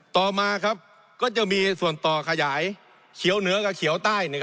ต่อมาก็จะมีส่วนต่อขยายเขียวเหนือกับเขียวใต้